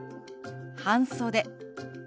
「半袖」。